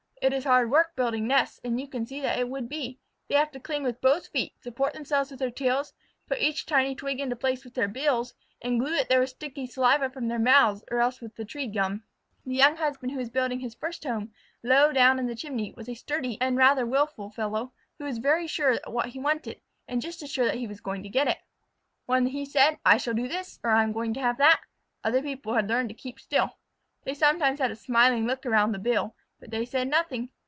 It is hard work building nests, and you can see that it would be. They have to cling with both feet, support themselves with their tails, put each tiny twig in place with their bills, and glue it there with sticky saliva from their mouths or else with tree gum. The young husband who was building his first home low down in the chimney was a sturdy and rather wilful fellow, who was very sure what he wanted, and just as sure that he was going to get it. When he said, "I shall do this," or, "I am going to have that," other people had learned to keep still. They sometimes had a smiling look around the bill, but they said nothing.